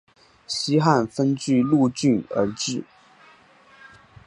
西汉分钜鹿郡而置。